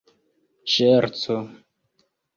ŝerco